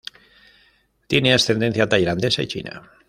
Tiene ascendencia tailandesa y china.